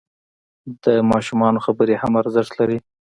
د ماشومانو خبرې هم ارزښت لري.